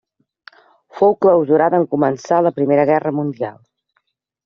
Fou clausurada en començar la Primera Guerra Mundial.